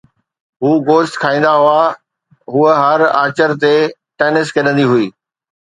هو گوشت کائيندا هئا، هوءَ هر آچر تي ٽينس کيڏندي هئي